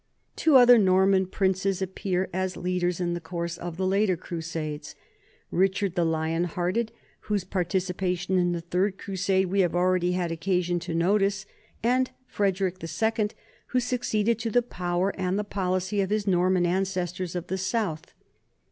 Two other Norman princes appear as leaders in the course of the later Crusades, Richard the Lion Hearted, whose participation in the Third Crusade we have al ready had occasion to notice, and Frederick II, who succeeded to the power and the policy of his Norman ancestors of the south.